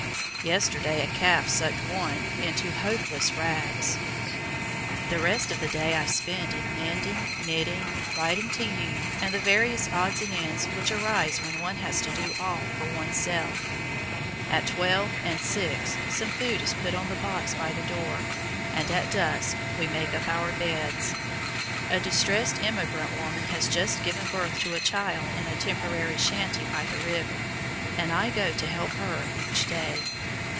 Yesterday a calf sucked one into hopeless rags. The rest of the day I spend in mending, knitting, writing to you, and the various odds and ends which arise when one has to do all for oneself. At twelve and six some food is put on the box by the door, and at dusk we make up our beds. A distressed emigrant woman has just given birth to a child in a temporary shanty by the river, and I go to help her each day.